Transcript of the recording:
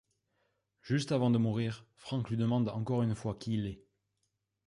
Juste avant de mourir, Frank lui demande encore une fois qui il est.